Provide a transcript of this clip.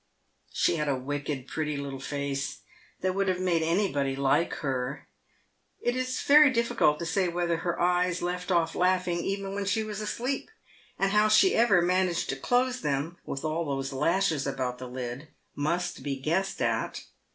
She had a wicked, pretty little face, that would have made any body like her. It is very difficult to say whether her eyes left off laughing even when she was asleep, and how she ever managed to close them, with all those lashes about the lid, must be guessed at.